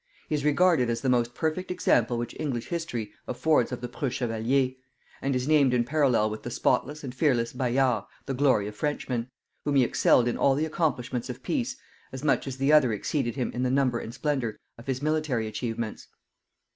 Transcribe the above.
He is regarded as the most perfect example which English history affords of the preux Chevalier; and is named in parallel with the spotless and fearless Bayard the glory of Frenchmen, whom he excelled in all the accomplishments of peace as much as the other exceeded him in the number and splendor of his military achievements.